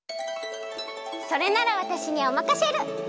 それならわたしにおまかシェル！